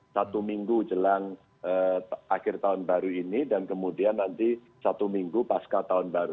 satu minggu jelang akhir tahun baru ini dan kemudian nanti satu minggu pasca tahun baru